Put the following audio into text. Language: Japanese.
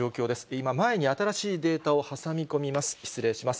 今、前に新しいデータを挟み込みます、失礼します。